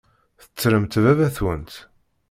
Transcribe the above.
Tettremt baba-twent?